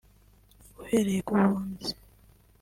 uhereye ku bunzi